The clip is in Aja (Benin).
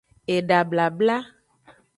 Eda blabla.